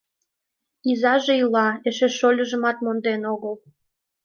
Изаже ила, эше шольжымат монден огыл.